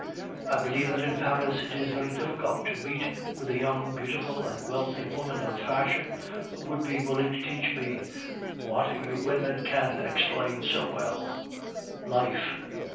I believe that in Paris it is very difficult to meet with a young, beautiful, and wealthy woman of fashion who would be willing to teach me, what you women can explain so well life.